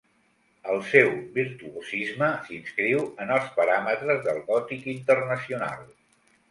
El seu virtuosisme s'inscriu en els paràmetres del gòtic internacional.